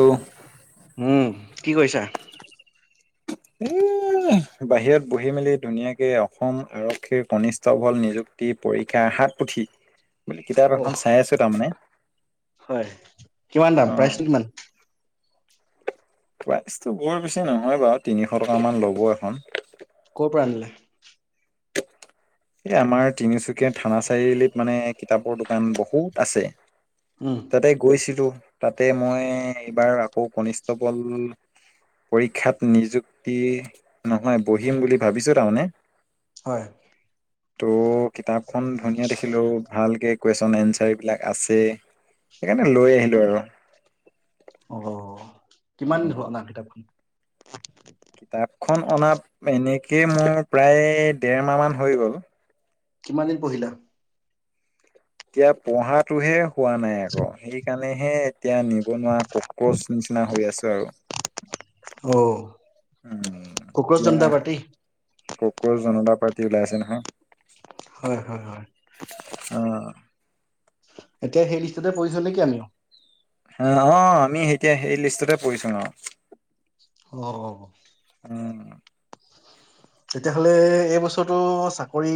এ উম কি কৰিৈছা বাহিৰত বহি মেলি ধুনীয়াকে অসম আৰক্ষীৰ কনিষ্টবল নিযুক্তি পৰীক্ষা হাত পুঠি বুলি কিতাপ অ এখন চাই আছো তাৰমানে হয় কিমান দাম অ প্ৰাইচটো কিমান প্ৰাইচটো বৰ বেছি নহয় বাৰু তিনিশ টকাামান ল'ব এখন ক' পৰা আনিলে এই আমাৰ তিনিচুকীয়া থানা চাৰিআলিত মানে কাপোৰ দোকান বহুত আছে। উম, তাতে গৈছিলো। তাতে মই এইবাৰ আকৌ কনিষ্টবল পৰীক্ষাত নিযুক্তি নহয় বহিম বুলি ভাবিছো তাৰমানে হয়। ত' কিতাপখন ধুনীয়া দেখিলো আৰু ভালকে কুৱেশ্যন এনঞ্চাৰবিলাক আছে সেইকাৰণে লৈ আহিলো আৰু অ'। অ কিমান হ না কিতাপখন [unintelligible] খখন অনা এনেকেই মোৰ প্ৰায়ে দেৰমাহ মান হৈ গ'ল। কিমান দিন পঢহিলা। এতিয়া পঢ়াটোহে হোৱা নাই আকৌ সেইকাৰণেহে এতিয়া নিবনুৱা কক্ৰচ নিচিনা হৈ আছো আৰু। অ', উ', কক্ৰচ এতিয়া জনতা পাৰ্টি? কক জন প্ৰাৰতি লাইছে ন হা। হয়', হয়', হয়'। অ স [inaudible] অ', আমি সেইতিয়। সেই লিষ্টতে পৰিছোঁ আৰু। অ', অ'। উম'। তেতিয়াহ'লে এই বছৰটো চাকৰি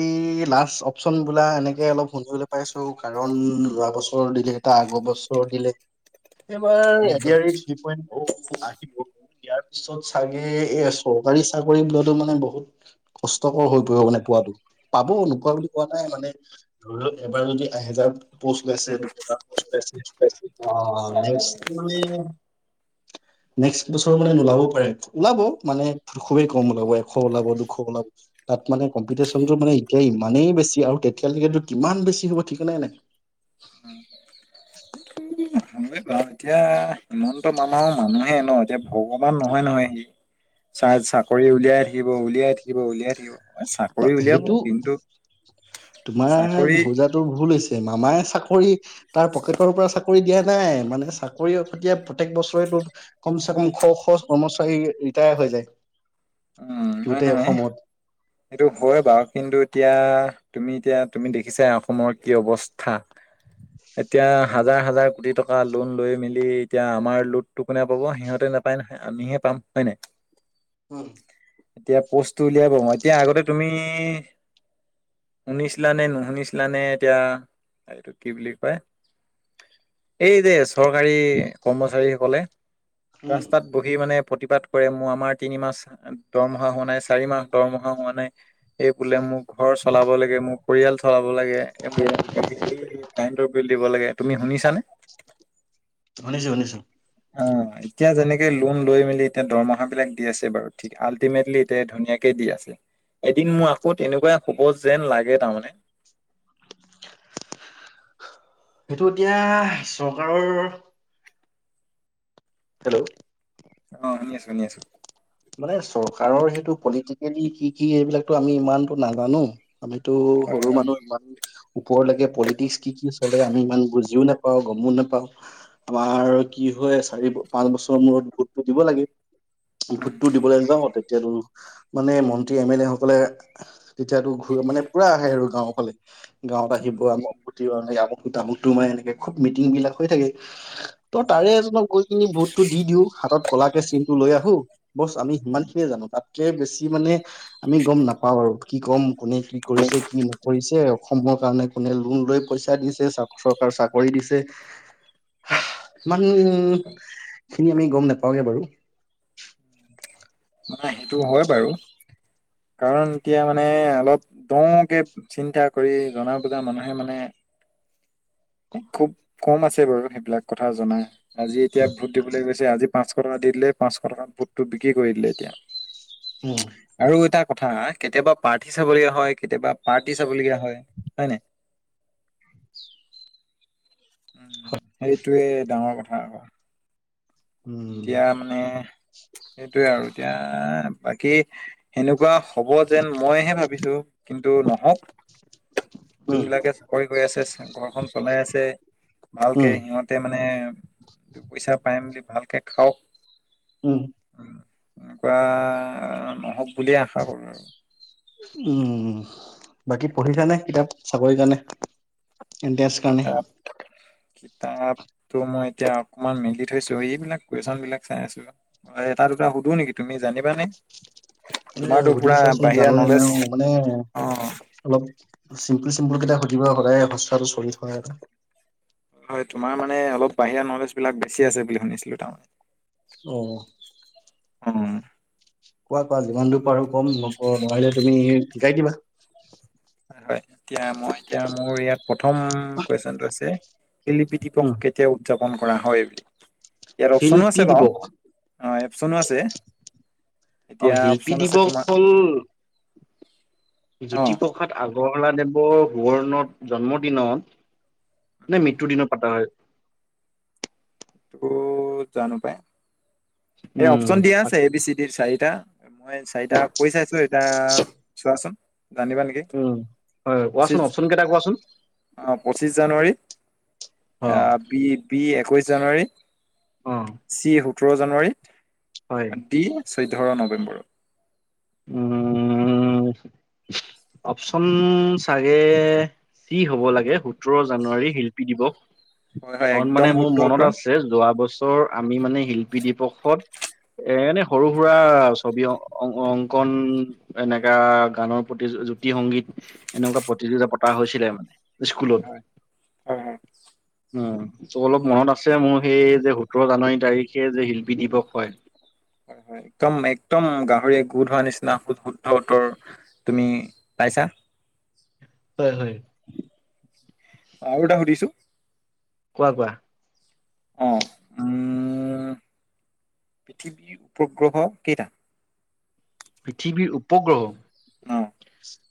লাষ্ট অপচন বোলা এনেকে অলপ শুনিবলৈ পাইছো কাৰণ যোৱা বছৰ দিলেটা আগৰ বছৰ দিলে। এইবাৰ হয় A D R E three point ব আহিব। ইয়াৰ পিছত চাগে এ চৰকাৰী চাকৰি বোলতো মানে বহুত কষ্টকৰ হৈ পৰিব মানে পোৱাতটো, পাব নোপোৱা বুলি কোৱা নাই মানে ধৰি লওক এবাৰ যদি এহেজাৰ পোষ্ট ওলাইছে এইটো কিবা, পোষ্ট ওলাইছে। বা', নেক্সট মানে নেক্সট বছৰ মানে নোলাব পাৰে, ওলাব মানে খুবেই কম ওলাব এশ ওলাব লোকস অলপ তাত মানে কম্পিটিচনতটো মানে এতিয়া ইমানেই বেছি আৰু তেতিয়ালৈকেতো কিমান বেছি হ'ব ঠিক নাই নাই। হয় বু, এতিয়া হিমন্ত মামা মানুহে ন এতিয়া ভগৱান নহয় নহয় সি চাই চাকৰি উলিয়াই থাকিব উলিয়াই থাকিব উলিয়াই থাকিব। চাকৰি উলিয়াব সেইটো কিন্তু তোমাৰ চাকৰি ভোজাো ভুল হৈছে মামাই আছে চাকৰি তাৰ পকেটৰ পৰা চাকৰি দিয়া নাই মানে চাকৰি সতিয়া প্ৰত্যেক বছৰেতটো কমচে কম শ শ কৰ্মচাৰী ৰিটায়াৰ হৈ যায়। গোটেই অসমত এইটো হয় বাৰু, কিন্তু এতিয়া তুমি এতিয়া তুমি দেখিছা অসমৰ কি অৱস্থা। এতিয়া হাজাৰ হাজাৰ কোটি টকা লোন লৈ মেলি এতিয়া আমাৰ লোডটো কোনে পাব। সিহঁতে নাপায় নহয় আমিহে পাম। হয় নাই? এতিয়া প'ষ্টটো উলিয়াব সময়ত এতিয়া আগতে তুমি শুনিছিলানে? নুশুনিছিলানে? এতিয়া এইটো কি বুলি কয়। এই যে চৰকাৰী কৰ্মচাৰীসকলে ৰাস্তাত এতিয়া বহি মানে প্ৰতিবাদ কৰে। মোৰ আমাৰ তিনিমাহ দৰমহা হোৱা নাই। চাৰি মাহ দৰমহা অ হোৱা নাই এই বোলে মোক ঘৰ চলাব লাগে। মোৰ পৰিয়াল চলাব লাগে। এ মোৰ--কাৰেণ্টৰ বিল দিব লাগে। তুমি শুনিছানে? শুনিছো শুনিছো অ এতিয়া যেনেকে লোন লৈ মেলি এতিয়া দৰমহা বিলাক দি আছে। বাৰু ঠিক আল্টিমেটলি এতিয়া ধুনীয়াকে দি আছে। এদিন মোৰ আকৌ তেনেকুৱাই হ'ব যেন লাগে। তাৰমানে সেইটো এতিয়া চৰকাৰৰ হেল্ল'। অ শুনি আছোঁ শুনি আছোঁ। মানে চৰকাৰৰ সেইটো পলিটিকেলি কি কি? এইবিলাকটো আমি ইমানটো নাজানো। আমিতো শুনি আছো সৰু হয় হয় মানুহ ইমান ওপৰলৈকে পলিটিক্স কি কি চলে আমি ইমান বুজিও নাপাওঁ। গমো নাপাওঁ আমাৰ কি হয় চাৰি পাঁচ বছৰ মূৰত ভোটটো দিব লাগে। বহুত ভোট দিবলৈ যাওঁ আৰু তেতিয়া তোৰ মানে মন্ত্ৰী এম এল এ সকলে তেতিয়াতো ঘূ মানে পুৰা আহে আৰু গাঁওৰ ফালে গাঁৱত আহিব আকৌ গাওঁত সোমাই এনেকে খুব মিটিং বিলাক হৈ থাকে। ত অ তাৰে এজনক গৈ কিনি ভোটটো দি দিওঁ হালত কলাকে চিনটো লৈ আহোঁ। বছ আমি সিমান খিনিয়ে জানো। তাতকে বেছি মানে আমি গম নাপাওঁ, আৰু কি ক'ম কোনে কি কৰিছে কি নকৰিছে অসমৰ কাৰণে কোনে লোন লৈ পইচা দিছে। চ চৰকাৰ চাকৰি দিছে ইমান খিনি আমি গম নেপাওঁগে বাৰু মানে সেইটো হয় বাৰু, কাৰণ এতিয়া মানে অলপ দকে চিন্তা কৰি জনা বুজা মানুহে মানে খুব কম আছে বাৰু, সেইবিলাক কথা জনা আজি এতিয়া ভোট দিবলৈ গৈছে। আজি পাঁচশ টকা দি দিলে। পাঁচশ টকাত ভোটটো বিক্ৰী কৰি দিলে এতিয়া উম আৰু এটাক কথা কেতিয়াবা পাৰ্থি চাব লগীয়া হয় কেতিয়াবা পাৰ্টি চাবলগীয়া হয়। হয় নই? সেইটোৱে ডাঙৰ কথা আকৌ উম এতিয়া মানে সেইটোৱেই আৰু এতিয়া বাকী সেনেকুৱা হব যেন মইহে ভাবিছো কিন্তু নহওক উম যোনবিলাকে চাকৰি কৰি আছে ঘৰখন চলাই আছে ভালকে উম সিহঁতে মানে দু পইচা পাইম বুলি ভাল তাকে খাওক উম এনেকুৱা নহক বুলিয়ে আশা কৰো আৰু উম বাকী পঢ়িছানে কিতাপ চাকৰি কাৰণে? এনট্ৰেঞ্চ কাৰণে তাত তো মই এতিয়া অকমান মিলি থৈছো। এইবিলাক কুৱেচন বিলাক চাই আছো এটা দুটা সুধো নেকি তুমি জানিবা নে? এ সুধিচোৱাচোন জানো নলেজ নাই মানে অ', অলপ চিম্পুল চিম্পুল কেইটা সুধিবা সলোয় সচৰাচত চলি থকাটো হয় তোমাৰ মানে অলপ বাহিৰা নলেজ বিলাক বেছি আছে বুলি শুনিছিলো তাৰমানে। অ। অ। কোৱা কোৱা যিমান দূৰ পাৰো কম নোৱাৰিলে তুমি শিকাই দিবা। [unintelligible] হয় হয় এতিয়া মই এতিয়া মোৰ ইয়াত প্ৰথম কুৱেশনটো হৈছে শিল্পী দিৱস উম। কেতিয়াও উদযাপন কৰা হয় বুলি। ইয়াত অপচনো শিল্পী আছে বাৰু দিৱস অ অপচনো আছে অ এতিয়া শিল্পী অপচন আছে দিৱস তোমাৰ হ'ল অ জ্যোতিপ্ৰসাদ আগৰৱালা দেৱৰ সোৱৰনত জন্মদিনত নে মৃত্যুৰ দিনত পতা হয় ত জানো পাই এই উম অপশচন দিয়া আছে এ বি চি ডিৰ চাৰিটা মই চাৰিটা ক চাইছো এতিয়া চোৱাচোন জানিবা নেকি উম হয় কোৱাচোন পঁচিছ অপচন কেইটা কোৱাচোন অঁ পঁচিছ জানুৱাৰী অ বি বি এ একৈছ জানুৱাৰী অ চি হ' সোতৰ জানুৱাৰী হয় দি তেৰ নৱেম্বৰ উম অপচন চাগে চি হ'ব লাগে সোতৰ জানুৱাৰী শিল্পী দিৱস। হয় হয় কাৰণ একদম মানে মোৰ শুদ্ধ মনত উত্তৰ আছে যোৱা বস্তু অ' আমি মানে শিল পি দিৱসত এনে সৰু সুৰা ছবি অ, অ, অং কন এনেকা গানৰ প্ৰতি জ্যোতি সংগীত এনেকুৱা প্ৰতিযোগিতা পতা হৈছিলে মানে। হয় স্কুলত হয় হয় হয় উম চ' অলপ মনত আছে মোৰ সেই যে সোতৰ জানুৱাৰী তাৰিখে যে শিল্পী দিৱস হয়। হয় হয় একদম একদম গোট ধৰা হোৱাৰ নিচিনা শু শুদ্ধ উত্তৰ তুমি পাইছা। হয় হয়। আৰু এটা সুধিছো কোৱা কোৱা। অ' উম পৃথিৱীৰ উপগ্ৰহ কেইটা? পৃথিৱীৰ উপগ্ৰহ। অঁ।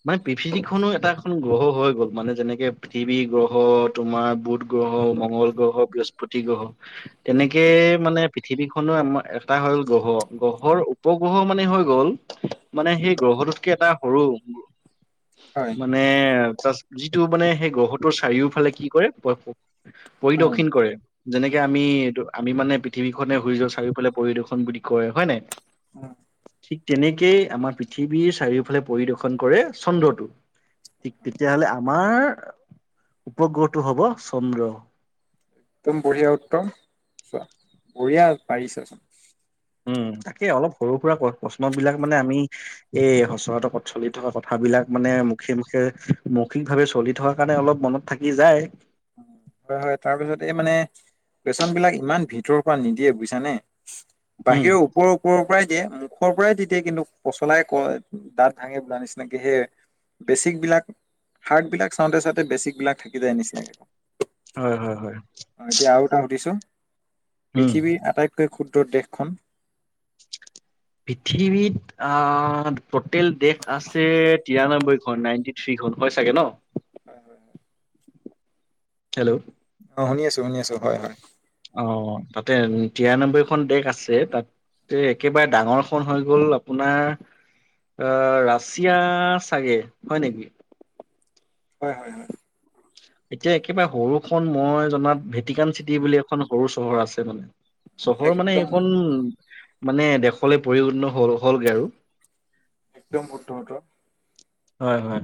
মানে পৃথিৱীখনো এটা এখন গ্ৰহ হৈ গ'ল মানে যেনেকে পৃথিৱী গ্ৰহ তোমাৰ বুধ গ্ৰহ, মংগল গ্ৰহ, বৃহস্পতি গ্ৰহ তেনেকে মানে পৃথিৱীখনো আমাৰ এটা হল গ্ৰহ গ্ৰহৰ উপগ্ৰহ মানে হৈ গ'ল মানে সেই গ্ৰহটোতকে এটা সৰু হয় মানে তাত যিটো মানে সেই গ্ৰহটোৰ চাৰিওফালে কি কৰে। উম পৰিদক্ষিণ কৰে যেনেকে আমি এইটো আমি মানে পৃথিৱীখনে সূৰ্যৰ চাৰিওফালে পৰিদৰ্শন বুলি কয় হয় নে নাই? অঁ। ঠিক তেনেকেই আমাৰ পৃথিৱীৰ চাৰিওফালে পৰিদৰ্শন কৰে চন্দ্ৰটো। ঠিক তেতিয়াহ'লে আমাৰ উপগ্ৰহটো হ'ব চন্দ্ৰ। একদম বঢ়িয়া উত্তৰ চোৱা বঢ়িয়া পাৰিছাচোন। উম তাকে অলপ সৰু সুৰা ক প্ৰশ্ন বিলাক মানে আমি এই সচৰাতকত চলি থকা কথাবিলাক মানে মুখে মুখে মৌখিকভাৱে চলি থকা কাৰণে অলপ মনত থাকি যায়। হয় হয় তাৰ পিছত এই মানে কোৱেচন বিলাক ইমান ভিতৰৰ পৰা নিদিয়ে বুজিছানে। উম বাহিৰৰ ওপৰৰ ওপৰৰ পৰাই দিয়ে মুখৰ পৰাই দি দিয়ে কিন্তু পচলাই দাঁত ভাঙি বোলা নিচিনাকি সে বেচিক বিলাক শাক বিলাক চাওঁতে চাওঁতে বেচিক বিলাক থাকি যায় নেকি। হয় হয় হয়। এতিয়া আৰু সুধিছো উম পৃথিৱীৰ আটাইতকৈ ক্ষুদ্ৰ দেশখন পৃথিৱীত অ' টোটেল দেশ আছে তিৰানব্বৈ খন নাইনটি থ্ৰী খন হয় চাগে ন। হয় হয় হয়। হেল্ল' অ' শুনি আছো শুনি আছো হয় হয়। অ' তাতে তিৰানব্বৈখন দেশ আছে তাতে একেবাৰে ডাঙৰখন হৈ গ'ল আপোনাৰ আ' ৰাছিয়া চাগে হয় নেকি। হয়, হয়, হয়। এতিয়া একেবাৰে সৰুখন মই জনাত ভেটিকান চিটি বুলি এখন সৰু চহৰ আছে মানে চহৰ মানে একদম এইখন মানে দেশলৈ পৰিপূৰ্ণ হ'ল হ'লগৈ আৰু। একদম বুদ্ধিমট হয় হয়।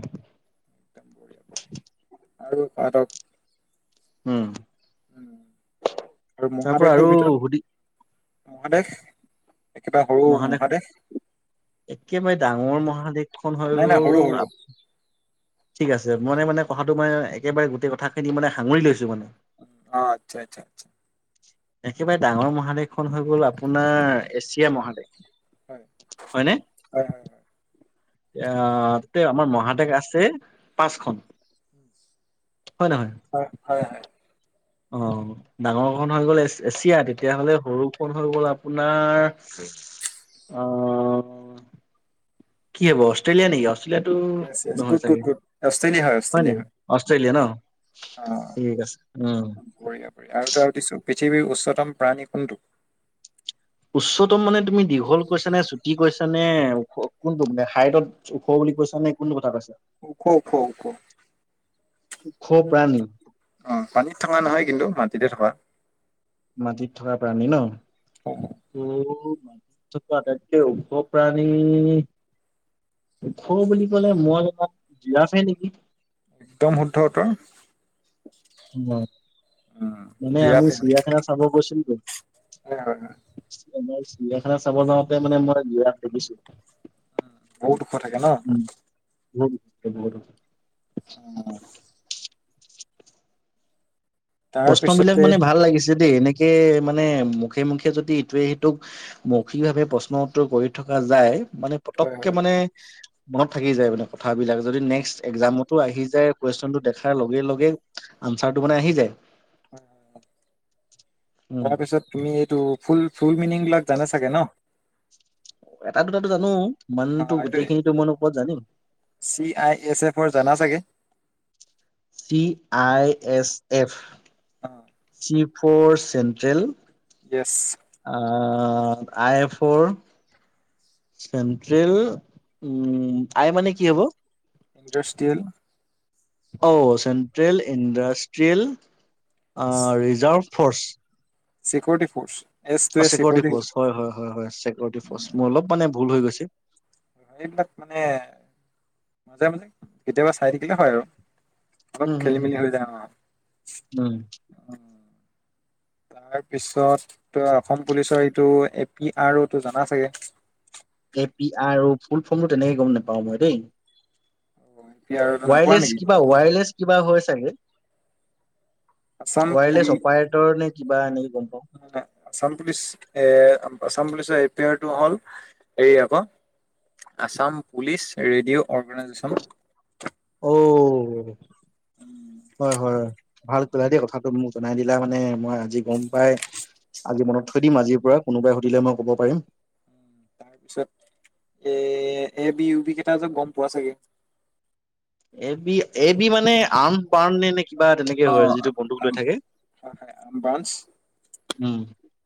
বঢ়িয়া বঢ়িয়া। আৰু কাট অপ উম। আৰু তাৰ পৰা মহাদেশৰ আৰু সুধি ভিতৰত মহাদেশ একেবা সৰু মহাদেশ একেবাৰে ডাঙৰ মহাদেশখন হৈ নাই নাই গ'ল সৰু সৰু ঠিক আছে মই মানে কথাাতটো মানে একেবাৰে গোটেই কথা খিনি মানে সাঙুৰি লৈছো মানে। অ অ আচ্ছা আচ্ছা আচ্ছা। একেবাৰে ডাঙৰ মহাদেশখন হৈ গ'ল আপোনাৰ এছিয়া মহাদেশ। হয়, হয়, হয়, হয়। এয়া তে আমাৰ মহাদেশ আছে পাঁচখন। হয়, হয়, হয়। অহ ডাঙৰখন হৈ গ'ল এছিয়া তেতিয়াহলে সৰুখন হৈ গ'ল আপোনাৰ অ কি হব? অষ্ট্ৰেলিয়া নেকি? অচ য়েছ অষ্ট্ৰেলিয়াটো য়েছ নহয় গুড গুড চাগে? গুড অষ্ট্ৰেলিয়া হয় অষ্ট্ৰেলিয়া নেকি অষ্ট্ৰেলিয়া ন। অ, ঠিক আছে উম। বঢ়িয়া বঢ়িয়া আৰু তাৰ পিছত। পৃথিৱীৰ উচ্চতম প্ৰাণী কোনটো? উচ্চতম মানে তুমি দীঘল কৈছা নে চুটি কৈছা নে কোনটো মানে হাইটত ওখ বুলি কৈছা নে কোনটো কথা কৈছা? ওখ ওখ ওখ। ওখ প্ৰাণী আহ পানীত থকা নহয় কিন্তু মাটিতে থকা। মাটিত থকা প্ৰাণী ন? অ [unintelligible] মাটিত থকা আটাইতকৈ ওখ প্ৰাণী খ বুলি ক'লে মই জনাত জিৰাফ হে নেকি? একদম শুদ্ধ উত্তৰ। এনে উম মানে আমি জিৰাফে হয় চিৰিয়াখানা চাব গৈছিলোটোন। হয় হয় হয় চিৰিয়াখানা চাব যাওঁতে মানে মই জিৰাফ দেখিছো। অ বহুত ওখ থাকে ন। উম বহুত বহুত ওখ। উম প্ৰশ্ন বিলাক তাৰপিছতে মানে ভাল লাগিছে দেই এনেক কে মানে মুখে-মুখে যদি ইটোৱে সিটোক মৌখিকভাৱে প্ৰশ্ন উত্তৰ কৰি থকা যায় মানে হয় হয় পতককে হয়। মানে মনত থাকি যায় মানে কথাবিলাক যদি নেক্সট একজামতো আহি যায় কুৱেশনটো দেখাৰ লগে-লগে আনচাৰটো মানে আহি যায়। [inaudible] উম। তাৰপিছত তুমি এইটো ফুল ফুল মিনিংবিলাক জানে চাগে ন। এটা দুটাটো জানো অ ইমানটো এইটো গোটেইখিনিটো মই ক'ত জানিম। চি আই এছ এফৰ জানা চাগে চি আই এছ এফ। অ চি ফৰ চেণ্ট্ৰেল য়েছ। আ I for central um I মানে কি হ'ব। ইণ্ডাষ্ট্ৰীয়েল। অঁ চেণ্ট্ৰেল ইণ্ডাষ্টষ্ট্ৰিয়েল অঁ ৰিজাৰ্ভ ফৰ্চ। Security force. অঁ চিকিউৰিটি ফৰ্চ হয় হয়- হয়- হয়, চিকিউৰিটি ফ'ৰ্চ, মোৰ অলপ মানে ভুল হৈ গৈছে। সেইবিলাক মানে মাজে- মাজে কেতিয়াবা চাই থাকিলে হয় আৰু। অলপ উম, হুম, খেলি হুম। মেলি হৈ যায় অঁ। উম তাৰপিছত অসম পুলিচৰ এইটো এ পি আৰ অ' টো জানা চাগে। A P R O full ফৰ্মটো তেনেকে গম নেপাওঁ মই দেই। এ পি আৰ অ'টো নোপোৱা নেকি ৱায়াৰলেছ কিবা ৱায়াৰলেছ কিবা হৈছ [unintelligible] আচাম পুলি কিবা এনেকে গম পাওঁ আছাম পুলিচ এ আসাম পুলিচৰ এ পি আৰ আৰটো হ'ল হেৰি আকৌ আছাম পুলিচ ৰেডিঅ' অৰ্গেনাইজেচন। অঔ। হয়-হয়। ভাল কৰিলা দেই কথাটো মোক জনাই দিলা মানে মই আজি গম পাই আজি মনত থৈ দিম আজিৰ পৰা কোনোবাই সুধিলে মই ক'ব পাৰিম। তাৰ পিছত এ- এ বি ইউ বি কেইটা যে গম পোৱা চাগে। এবি- এবি মানে আন বাওণ নে- নে কিবা তেনেকে অ হয় যিটো বন্দুক লৈ আম- থাকে, হয় হয় আম ব্ৰাঞ্চ উম।